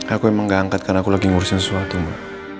aku memang tidak angkat karena aku sedang menguruskan sesuatu ma